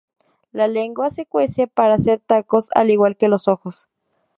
La lengua se cuece para hacer tacos, al igual que los ojos.